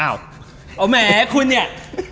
อ้าวโอเหมมคุณเนี่ย